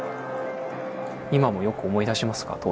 今もよく思い出しますか？